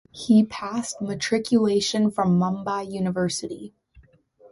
He passed matriculation from Mumbai University.